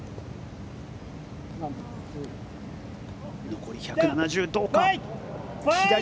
残り１７０、どうか。